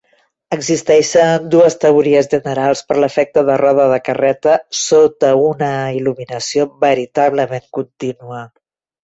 Existeixen dues teories generals per a l'efecte de roda de carreta sota una il·luminació veritablement contínua.